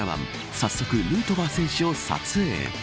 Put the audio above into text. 早速、ヌートバー選手を撮影。